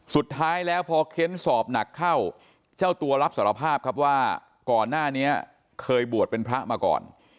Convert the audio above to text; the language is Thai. สุดท้ายแล้วพอเค้นสอบหนักเข้าเจ้าตัวรับสารภาพครับว่าก่อนหน้านี้เคยบวชเป็นพระมาก่อน